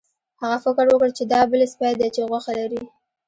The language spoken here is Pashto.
هغه فکر وکړ چې دا بل سپی دی چې غوښه لري.